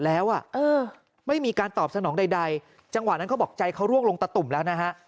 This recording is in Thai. แล้วไม่มีการตอบสนองใดจังหวะนั้นเขาบอกใจเขาร่วงลงตะตุ่มแล้วนะฮะ